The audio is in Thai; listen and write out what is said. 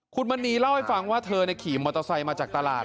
คุณมณีเล่าให้ฟังว่าเธอขี่มอเตอร์ไซค์มาจากตลาด